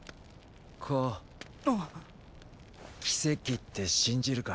あ！奇跡って信じるか？